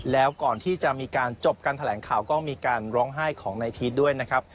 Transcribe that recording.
แล้วก่อนที่จะมีการจบการแถลงข่าวก็มีการร้องไห้ของนายพีชด้วยนะครับ